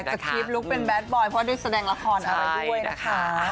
กับทีมลุคเป็นแดดบอยเพราะได้แสดงละครอะไรด้วยนะคะ